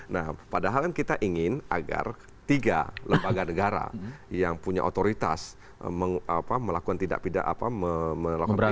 nah padahal kan kita ingin agar tiga lembaga negara yang punya otoritas melakukan tindak pidana melakukan